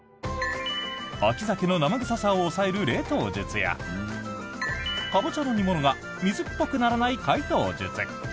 秋ザケの生臭さを抑える冷凍術やカボチャの煮物が水っぽくならない解凍術